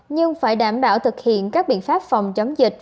nhưng phải đảm bảo thực hiện các biện pháp phòng chống dịch